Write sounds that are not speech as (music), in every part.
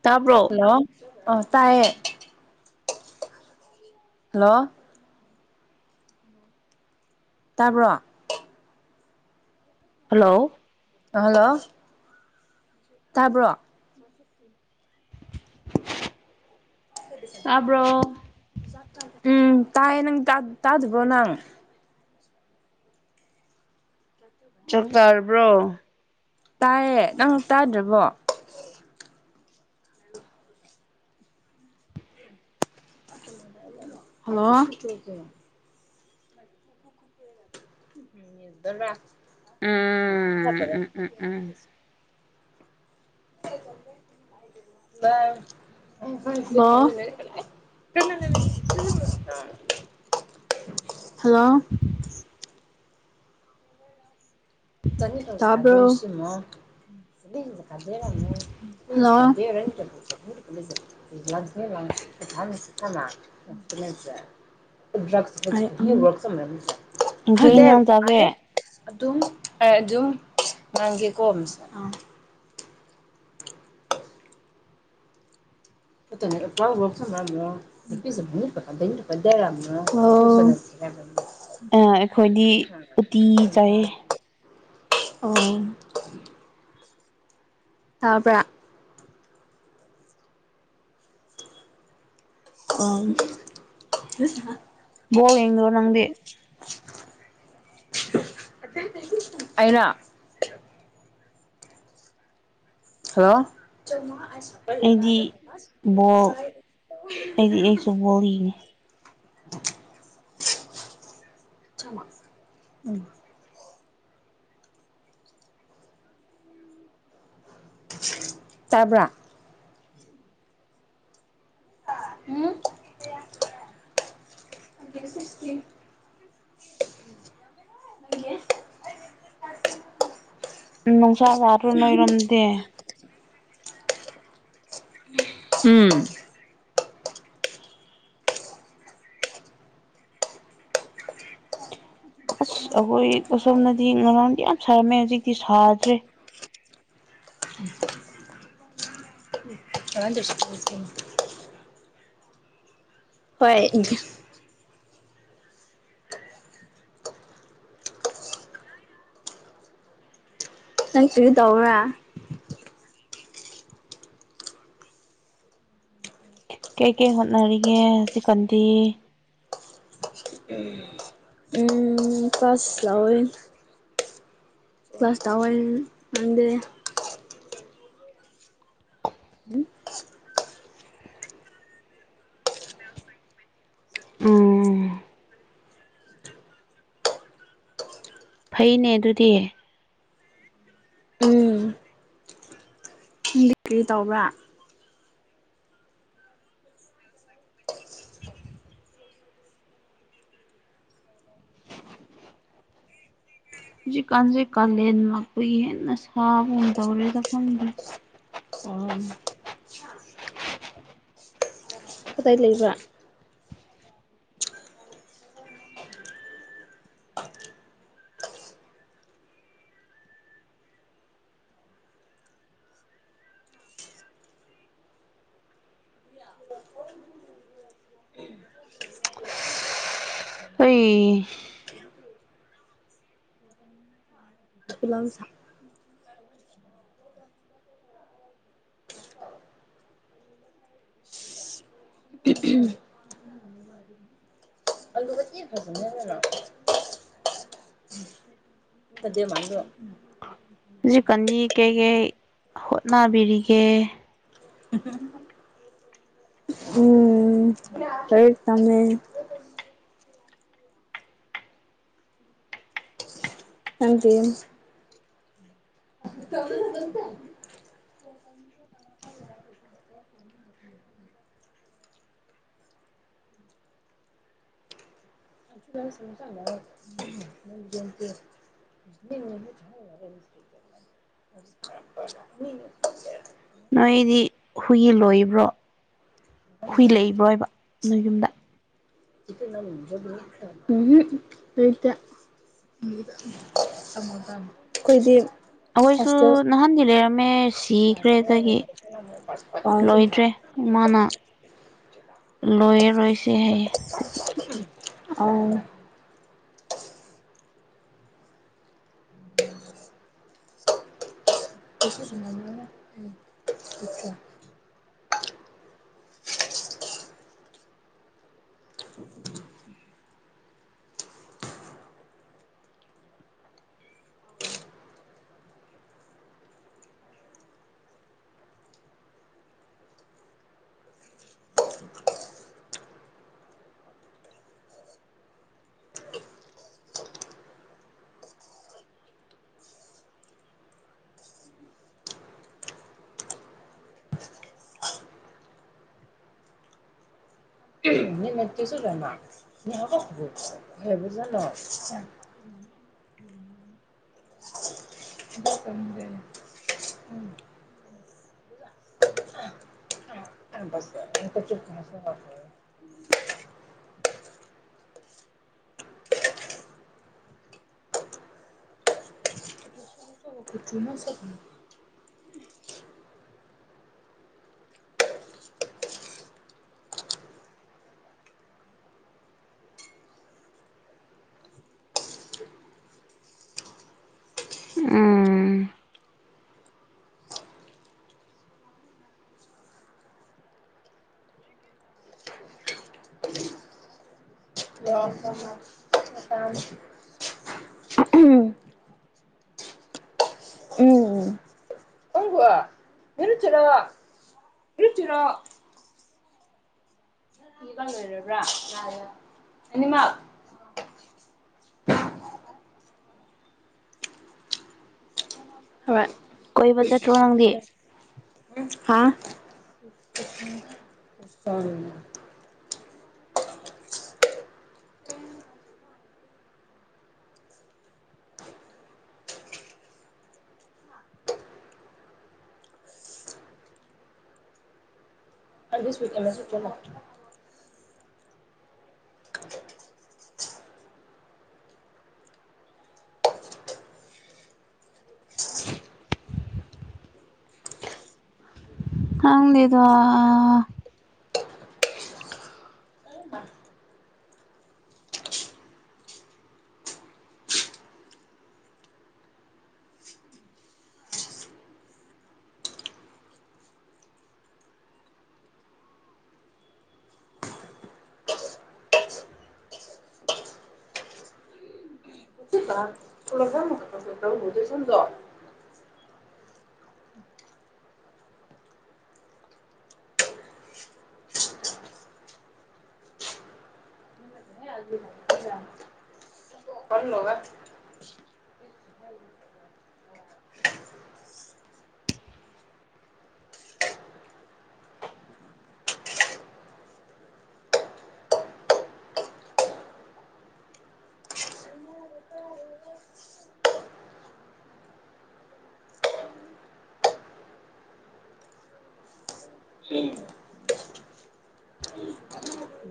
ꯇꯥꯕ꯭ꯔꯣ ꯍꯜꯂꯣ ꯑ ꯇꯌꯦ ꯍꯜꯂꯣ ꯇꯥꯕ꯭ꯔꯣ ꯍꯜꯂꯣ ꯍꯜꯂꯣ ꯇꯥꯕ꯭ꯔꯣ ꯇꯥꯕ꯭ꯔꯣ ꯎꯝ ꯇꯥꯏ ꯅꯪ ꯇ ꯇꯗꯨꯕꯣ ꯅꯪ ꯆ ꯇꯥꯔꯕ꯭ꯔꯣ ꯇꯥꯏꯌꯦ ꯅꯪ ꯇꯥꯗ꯭ꯔꯕꯣ ꯍꯜꯂꯣ ꯝ ꯎꯝ ꯈꯔꯦ ꯎꯝ (unintelligible) ꯎꯝ (inaudible) (unintelligible) (inaudible) (unintelligible) (inaudible) ꯍꯜꯂꯣ ꯆꯕ꯭ꯔꯣ (inaudible) (unintelligible) (inaudible) (unintelligible) ꯎꯝ (inaudible) ꯀꯩ ꯍꯗꯦ ꯑ ꯏꯟꯖꯥꯡ ꯆꯥꯒꯦ (inaudible) (unintelligible) ꯑꯗꯨꯝ ꯑꯗꯨꯝ ꯃꯥꯡꯒꯦꯀꯣ ꯑꯃꯁꯁꯦ ꯑꯥ (inaudible) ꯔ ꯗꯦ ꯔꯝ (unintelligible) (inaudible) ꯎ (unintelligible) (inaudible) ꯑꯩꯈꯣꯏꯗꯤ ꯎꯇꯤ ꯆꯥꯏ ꯑꯣ (inaudible) ꯇꯥꯄ꯭ꯔ ꯑ (inaudible) (unintelligible) ꯄꯦ ꯏꯣ ꯅꯪꯗꯤꯦ ꯑꯩꯅ (inaudible) (unintelligible) ꯍꯜꯂꯣ ꯑꯩꯗꯤ ꯑꯁꯄꯂꯦꯗꯥꯔ ꯕꯣꯜ ꯑꯩꯗꯤ ꯑꯩꯁꯨ ꯕꯣꯜ ꯌꯦꯡꯉꯤ (unintelligible) (inaudible) ꯎꯝ (unintelligible) (inaudible) ꯇꯕ꯭ꯔ (inaudible) ꯎꯝ (unintelligible) (inaudible) ꯑꯩꯦ (unintelligible) (inaudible) ꯅꯨꯡꯁꯥ ꯁꯥꯔꯨ ꯅꯣꯏꯔꯝꯗꯦ ꯎꯝ (unintelligible) (inaudible) ꯑꯁ ꯑꯩꯈꯣꯏ ꯑꯁꯣꯝꯅꯗꯤ ꯉꯔꯥꯡꯗꯤ ꯌꯥꯝ ꯁꯥꯔꯝꯃꯦ ꯍꯧꯖꯤꯛꯇꯤ ꯁꯥꯗ꯭ꯔꯦ ꯑꯁꯤ (unintelligible) (inaudible) ꯍꯣꯏ ꯏ (inaudible) ꯅꯪꯛꯇꯔꯤ ꯇꯧꯕ꯭ꯔꯥ ꯀꯩ ꯀꯩ ꯍꯣꯠꯅꯔꯤꯒꯦ ꯆꯤꯀꯟꯗꯤ ꯀꯥꯁ ꯂꯑꯣ (unintelligible) (inaudible) ꯀ꯭ꯂꯥꯁ ꯇꯋꯥꯏ ꯃꯗꯦ ꯎꯝ ꯐꯩꯅꯦ ꯑꯗꯨꯗꯤ ꯎꯝ ꯗꯤ ꯀ꯭ꯔꯤ ꯇꯧꯕ꯭ꯔꯥ ꯍꯧꯖꯤꯛꯀꯥꯟꯁꯦ ꯀꯥꯂꯦꯟ ꯃꯈꯨ ꯍꯦꯟꯅ ꯁꯥꯕꯨꯝ ꯇꯧꯔꯦꯗꯐꯝꯪꯗꯦ ꯀꯗꯥꯏ ꯂꯩꯕ ꯍ ꯂꯖ ꯑꯗꯨ ꯃꯉ ꯍꯧꯖꯤꯛꯀꯅꯤ ꯀꯩꯀꯩ ꯍꯣꯠꯅꯕꯤꯔꯤꯒꯦ ꯎꯝ ꯁꯩ ꯇꯃꯦ ꯑꯖꯤ (unintelligible) (unintelligible) ꯅꯣꯏꯗꯤ ꯍꯨꯏ ꯂꯣꯏꯕ꯭ꯔꯣ ꯍꯨꯏ ꯂꯩꯕ꯭ꯔꯣꯏꯕ ꯅꯣꯏ ꯌꯨꯝꯗ ꯎꯝ ꯍꯨꯝ ꯂꯩꯩꯇꯦ ꯑꯩꯈꯣꯏꯗꯤ ꯑꯩꯈꯣꯏꯁꯨ ꯍꯣꯁꯇꯦꯜ ꯅꯍꯥꯟꯗꯤ ꯂꯩꯔꯝꯃꯦ ꯁꯤꯈ꯭ꯔꯦ ꯑꯗꯒꯤ ꯑꯝ ꯂꯣꯏꯗ꯭ꯔꯦ ꯏꯃꯥꯅ ꯂꯣꯏꯔ ꯔꯣꯏꯁꯦ ꯍꯥꯏꯌꯦ ꯑꯗꯨꯒꯤ ꯑꯥꯎ (unintelligible) (unintelligible) (unintelligible) (unintelligible) (inaudible) (unintelligible) (unintelligible) ꯄꯣꯁꯨꯨ ꯅ ꯁꯅꯤ ꯎꯝ (unintelligible) ꯎꯝ ꯨꯆꯤꯔꯣ ꯂꯩꯕ꯭ꯔꯥ (unintelligible) ꯀꯣꯏꯕ ꯆꯠꯇ꯭ꯔꯣ ꯅꯪꯗꯤ ꯍꯥꯥ (unintelligible) ꯈꯪꯗꯦꯗ (unintelligible) ꯐꯜꯂꯣꯒ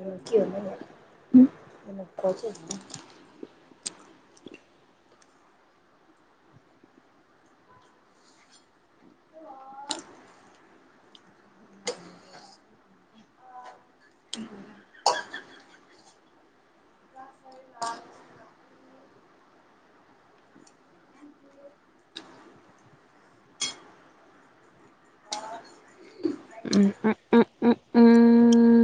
(unintelligible) (unintelligible) (inaudible) ꯎꯝ ꯎꯝ ꯎꯝ ꯎꯝ ꯎꯝ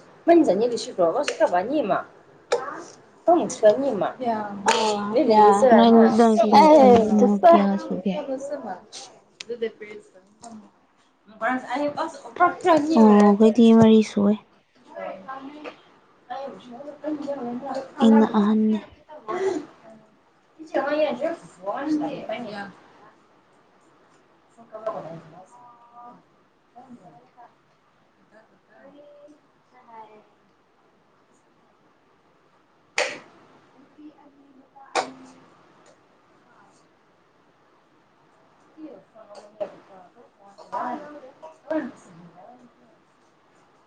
(unintelligible) (unintelligible) ꯅꯣꯏ ꯅꯣꯏꯗꯤ ꯅꯆꯤꯟ ꯅꯅꯥꯎ ꯀꯌꯥ ꯁꯨꯒꯦ (unintelligible) (unintelligible) ꯑꯣ ꯑꯩꯈꯣꯏꯗꯤ ꯃꯔꯤ ꯁꯨꯑꯦ (unintelligible) ꯑꯩꯅ ꯑꯍꯟꯅꯦ (unintelligible) (unintelligible) (unintelligible) (unintelligible) (unintelligible) (inaudible)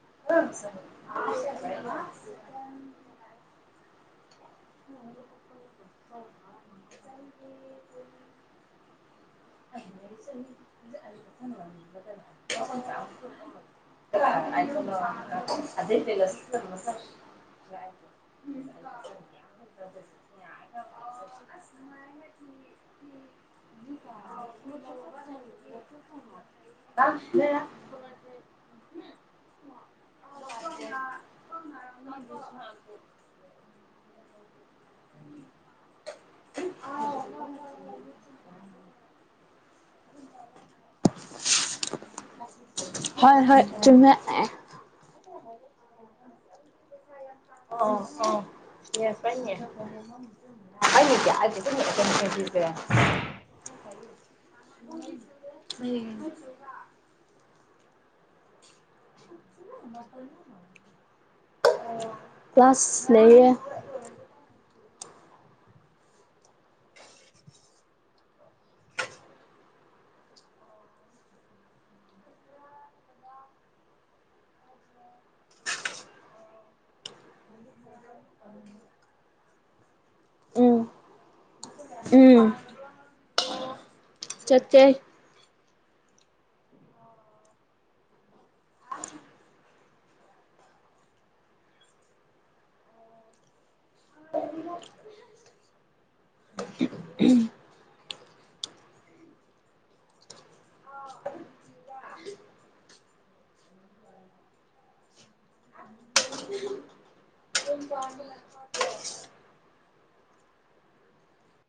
(unintelligible) (unintelligible) (inaudible) (unintelligible) (unintelligible) (unintelligible) ꯎꯝ (unintelligible) (inaudible) ꯇꯁꯅꯦ (inaudible) (unintelligible) ꯍ (inaudible) (inaudible) ꯍꯣꯏ ꯍꯣꯏ ꯆꯨꯝ ꯑ ꯑ ꯌꯦ ꯐ ꯑꯗꯤ ꯍꯥꯏ ꯥꯏ ꯀ꯭ꯂꯥꯁ ꯂꯩꯌꯦ ꯎꯝ ꯎꯝ ꯆꯠꯇꯦ ꯎꯝꯝ